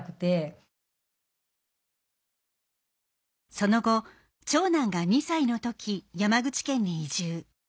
その後長男が２歳の時山口県に移住。